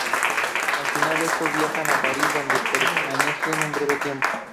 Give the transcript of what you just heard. Al finalizar estos viaja a París donde permanece un breve tiempo.